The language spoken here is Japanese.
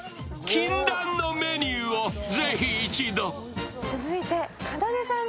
禁断のメニューをぜひ一度。